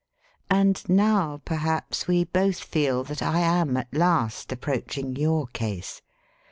"And now, perhaps, we both feel that I am at last approaching your case.